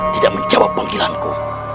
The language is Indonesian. tidak menjawab panggilanku